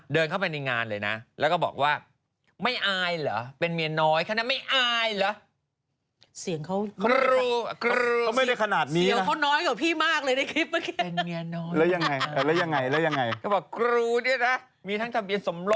เดินเข้าไปในงานเลยนะแล้วก็บอกว่าไม่อายเหรอเป็นเมียน้อยแค่นั้นไม่อายเหรอ